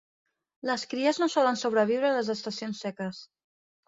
Les cries no solen sobreviure a les estacions seques.